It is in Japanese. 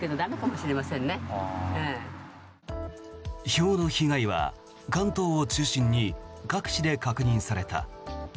ひょうの被害は関東を中心に各地で確認された。